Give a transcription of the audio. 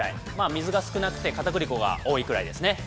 水が少なく、かたくり粉が多いぐらいですね。